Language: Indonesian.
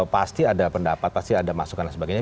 pasti ada pendapat pasti ada masukan dan sebagainya